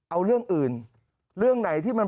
เอาเรื่องอื่นเรื่องไหนที่มัน